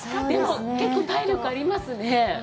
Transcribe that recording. でも、結構体力ありますね。